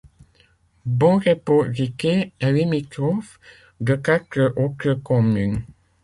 Bonrepos-Riquet est limitrophe de quatre autres communes.